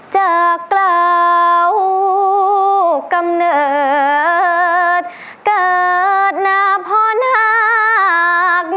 เจอกล่าวกำเนิดเกิดหน้าพรหัก